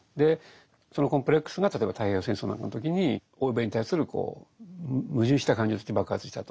そのコンプレックスが例えば太平洋戦争などの時に欧米に対する矛盾した感情として爆発したと。